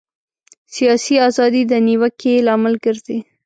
سیاسي ازادي د نیوکې لامل ګرځي.